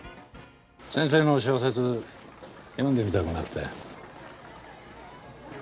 先生の小説読んでみたくなったよ。